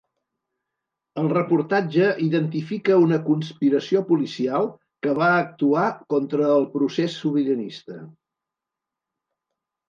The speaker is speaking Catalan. El reportatge identifica una conspiració policial que va actuar contra el procés sobiranista.